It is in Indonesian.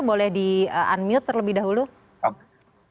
boleh di unmute terlebih dahulu